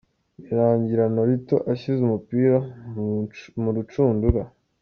Birangira Nolito ashyize umupira mu rucundura .